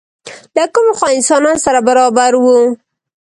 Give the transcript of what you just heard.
له کومې خوا انسانان سره برابر وو؟